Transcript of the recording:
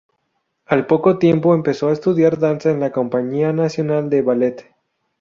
Al poco tiempo empezó a estudiar danza en la compañía nacional de ballet.